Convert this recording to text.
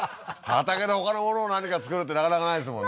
畑でほかのものを何か作るってなかなかないですもんね